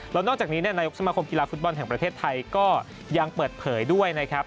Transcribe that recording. แล้วนอกจากนี้นายกสมาคมกีฬาฟุตบอลแห่งประเทศไทยก็ยังเปิดเผยด้วยนะครับ